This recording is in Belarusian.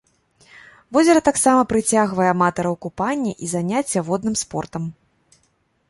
Возера таксама прыцягвае аматараў купання і заняцця водным спортам.